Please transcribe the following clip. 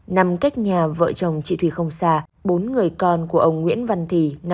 nằm cách nhà vợ chồng chị thủy không xa bốn người con của ông nguyễn văn thì